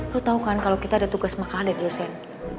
lo tau kan kalau kita ada tugas makanan di lusen